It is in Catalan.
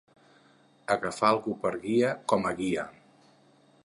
Agafar algú per guia, com a guia.